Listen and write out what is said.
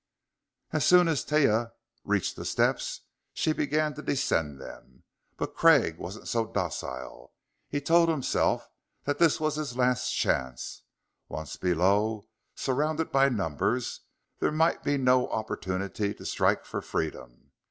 As soon as Taia reached the steps she began to descend them, but Craig wasn't so docile. He told himself that this was his last chance; once below, surrounded by numbers, there might be no opportunity to strike for freedom.